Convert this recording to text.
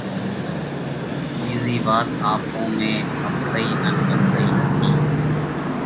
ٻِيزئِي وات آپون ۾ ۿپتئِي ان ٻنڌئِي نٿِي،